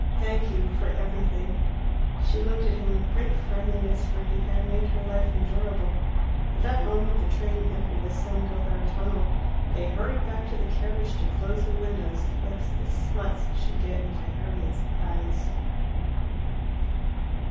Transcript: "Thank you for everything." She looked at him with great friendliness, for he had made her life endurable. At that moment the train entered the San Gothard tunnel. They hurried back to the carriage to close the windows lest the smuts should get into Harriet's eyes.